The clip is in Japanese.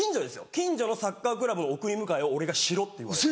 近所のサッカークラブの送り迎えを俺がしろって言われて。